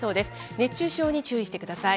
熱中症に注意してください。